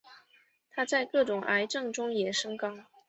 它在各种癌症中也升高。